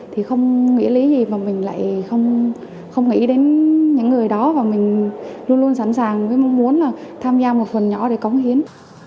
thì không nghĩ lý gì mà mình lại không nghĩ đến những người đó và mình luôn luôn sẵn sàng với mong muốn là tham gia một phần nhỏ để cống hiến